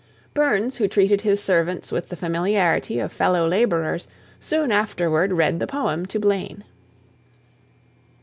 Burns, who treated his servants with the familiarity of fellow labourers, soon afterward read the poem to Blane."